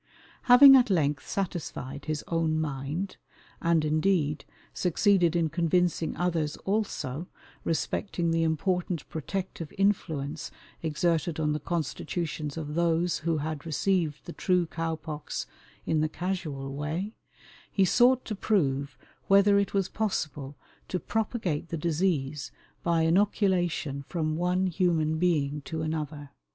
Having at length satisfied his own mind, and, indeed, succeeded in convincing others also, respecting the important protective influence exerted on the constitutions of those who had received the true cow pox in the casual way, he sought to prove whether it was possible to propagate the disease by inoculation from one human being to another.